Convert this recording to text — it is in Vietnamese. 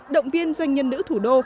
động viên doanh nhân nữ thủ đô